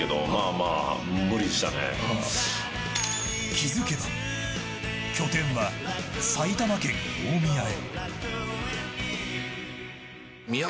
気付けば拠点は埼玉県大宮へ。